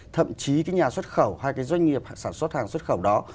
thậm chí cái nhà xuất khẩu hay cái doanh nghiệp sản xuất hàng xuất khẩu đó